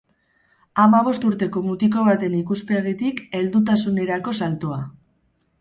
Hamabost urteko mutiko baten ikuspegitik heldutasunerako saltoa.